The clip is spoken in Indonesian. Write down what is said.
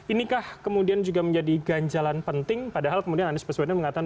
inikah kemudian juga menjadi ganjalan penting padahal kemudian anies baswedan mengatakan